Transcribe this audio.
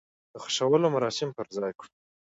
د خښولو مراسم په ځاى کړو.